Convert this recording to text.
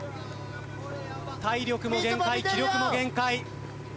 体力も限界気力も限界。